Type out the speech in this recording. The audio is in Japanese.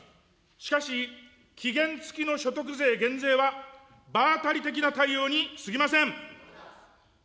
しかし、期限付きの所得税減税は、場当たり的な対応にすぎません。